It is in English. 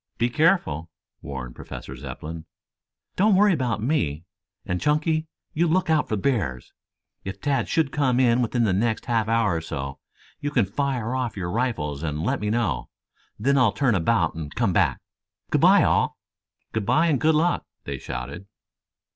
"Be careful," warned Professor Zepplin. "Don't worry about me, and, Chunky, you look out for bears. If Tad should come in within the next half hour or so, you can fire off your rifles to let me know. Then I'll turn about and come back. Good bye, all." "Good bye and good luck," they shouted.